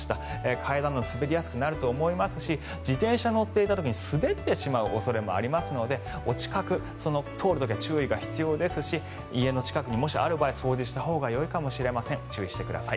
階段など滑りやすくなると思いますし自転車に乗っている時に滑ってしまう恐れもありますのでお近く通る時は注意が必要ですし家の近くに、もしある場合は掃除したほうがいいかもしれません注意してください。